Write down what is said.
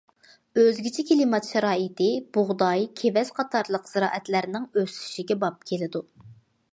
ئۆزگىچە كىلىمات شارائىتى بۇغداي، كېۋەز قاتارلىق زىرائەتلەرنىڭ ئۆسۈشىگە باب كېلىدۇ.